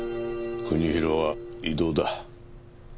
国広は異動だ。